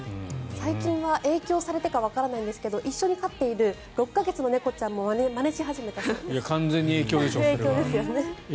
最近は影響されてかわからないですが一緒に飼っている６か月の猫ちゃんも完全に影響でしょう。